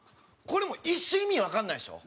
これもう一瞬意味わかんないでしょ？